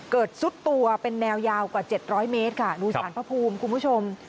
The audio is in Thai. เกิดซุดตัวเป็นแนวยาวกว่าเจ็ดร้อยเมตรค่ะดูสถานพระภูมิคุณผู้ชม